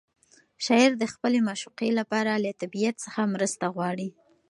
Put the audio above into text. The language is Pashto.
شاعر د خپلې معشوقې لپاره له طبیعت څخه مرسته غواړي.